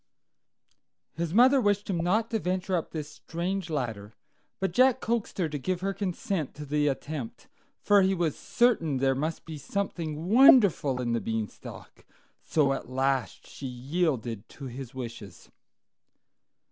His mother wished him not to venture up this strange ladder, but Jack coaxed her to give her consent to the attempt, for he was certain there must be something wonderful in the Beanstalk; so at last she yielded to his wishes.